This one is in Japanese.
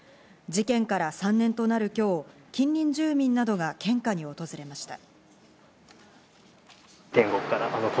事件から３年となる今日、近隣住民などが献花に訪れました。